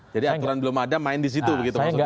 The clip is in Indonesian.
jadi aturan belum ada main di situ maksudnya